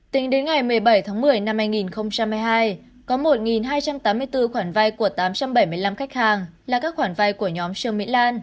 tính đến ngày một mươi bảy tháng một mươi năm hai nghìn hai mươi hai có một hai trăm tám mươi bốn khoản vay của tám trăm bảy mươi năm khách hàng là các khoản vay của nhóm trương mỹ lan